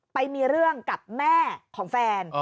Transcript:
ไปมีเรื่องกับแม่ของแฟน